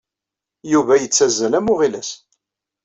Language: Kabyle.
Yuba yettazzal am uɣilas.